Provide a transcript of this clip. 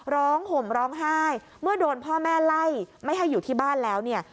ห่มร้องไห้เมื่อโดนพ่อแม่ไล่ไม่ให้อยู่ที่บ้านแล้วเนี่ย